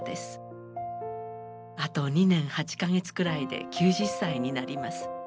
あと２年８か月くらいで９０歳になります。